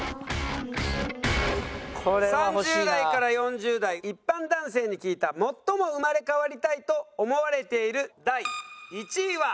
３０代から４０代一般男性に聞いた最も生まれ変わりたいと思われている第１位は。